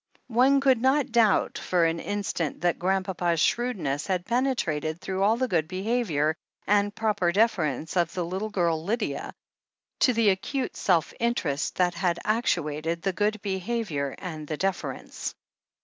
One could not doubt for an instant that Grand papa's shrewdness had penetrated through all the good behaviour and proper deference of the little girl Lydia, to the acute self interest that had actuated the good behaviour and the deference.